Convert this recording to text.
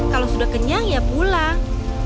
kalau sudah kenyang ya pulang